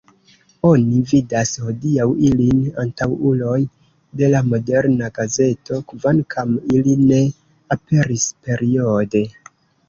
Oni vidas hodiaŭ ilin antaŭuloj de la moderna gazeto, kvankam ili ne aperis periode.